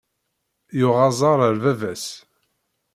Yuɣ aẓaṛ ar bab-as.